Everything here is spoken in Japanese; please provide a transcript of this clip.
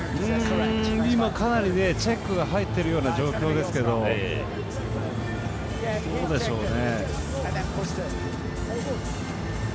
今かなりチェックが入ってるような状況ですけどどうでしょうね。